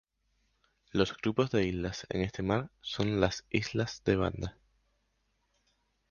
Los grupos de islas en este mar son las islas de Banda.